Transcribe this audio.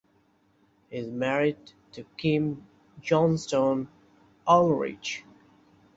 He is married to Kim Johnston Ulrich.